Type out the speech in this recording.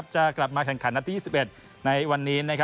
จะกลับมาแข่งขันนัดที่๒๑ในวันนี้